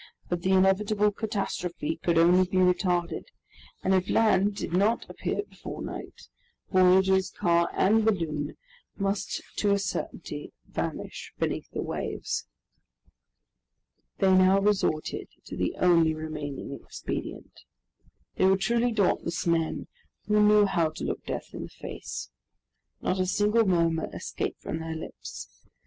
But the inevitable catastrophe could only be retarded, and if land did not appear before night, voyagers, car, and balloon must to a certainty vanish beneath the waves. They now resorted to the only remaining expedient. They were truly dauntless men, who knew how to look death in the face. Not a single murmur escaped from their lips.